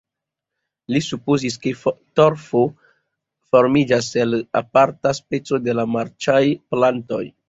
Li supozis ke torfo formiĝas el aparta speco de la marĉaj plantoj.